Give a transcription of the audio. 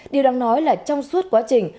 điều đang nói là trong suốt quá trình